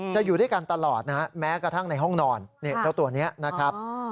อยู่ด้วยกันตลอดนะฮะแม้กระทั่งในห้องนอนเจ้าตัวนี้นะครับ